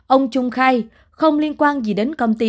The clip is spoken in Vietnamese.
ông trung khai không liên quan gì đến công ty